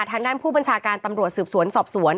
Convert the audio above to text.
ทางด้านผู้บัญชาการตำรวจสืบสวนสอบสวน